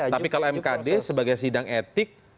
tapi kalau mkd sebagai sidang etik